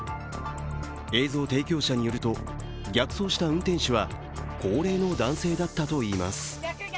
映像提供者によると逆走した運転手は高齢の男性だったといいます。